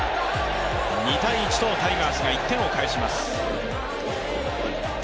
２−１とタイガースが１点を返します。